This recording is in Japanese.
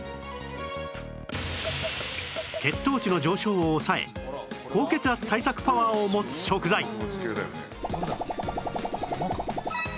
血糖値の上昇を抑え高血圧対策パワーを持つ食材